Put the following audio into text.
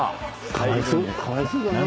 かわいそうだな。